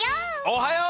おはよう！